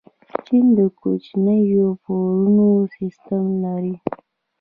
چین د کوچنیو پورونو سیسټم لري.